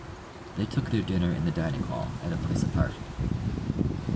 They took their dinner in the dining hall at a place apart.